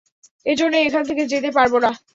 এজন্যই এখান থেকে যেতে পারব না।